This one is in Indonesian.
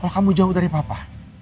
kalau kamu jauh dari papa